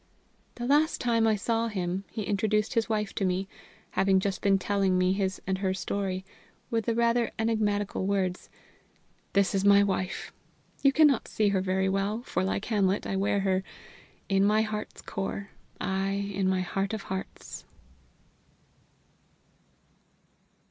The last time I saw him, he introduced his wife to me having just been telling me his and her story with the rather enigmatical words: "This is my wife. You cannot see her very well, for, like Hamlet, I wear her 'in my heart's core, aye, in my heart of hearts!'"